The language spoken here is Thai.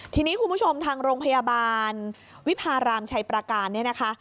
ทีนี้คุณผู้ชมทางโรงพยาบาลวิพารามชัยประการเนี่ยนะคะ